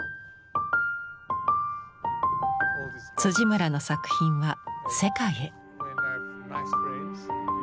村の作品は世界へ。